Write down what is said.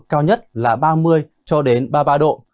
cao nhất là ba mươi cho đến ba mươi ba độ